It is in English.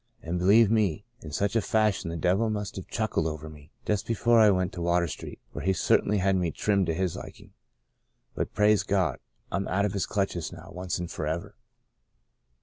And, believe me, in some such fashion the devil must have chuckled over me, just before I went to Water Street, for he certainly had me trimmed to his liking. But, praise God, I'm out of his clutches now — once and forever."